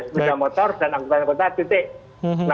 sepeda motor dan angkutan sepat kuning